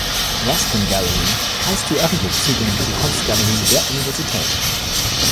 "Ruskin Gallery" heißt die öffentlich zugängliche Kunstgalerie der Universität.